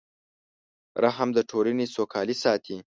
رحم د ټولنې سوکالي ساتي.